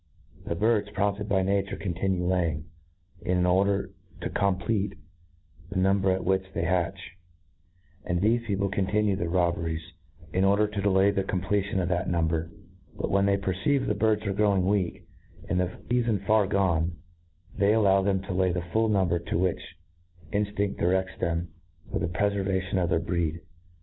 The birds, prompted by nature, continue laying, in order tocompleat the number at which they hatch, and thcfe people continue their robberies^ m order to delay the completion of that numbet* But, when they perceive the birds growing weak, and the feafon far gone, they allow them to lay the full number to which inftind dircfts them for the prefervation of their breed.